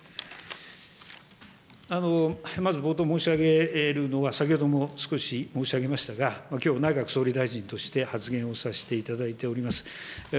まず冒頭申し上げるのは、先ほども少し申し上げましたが、きょう内閣総理大臣として発言をさせていただいております。